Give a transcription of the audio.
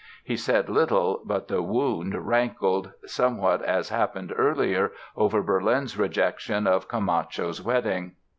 He said little but the wound rankled, somewhat as happened earlier over Berlin's rejection of "Camacho's Wedding".